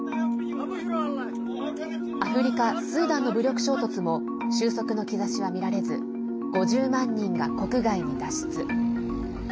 アフリカ、スーダンの武力衝突も収束の兆しは、みられず５０万人が国外に脱出。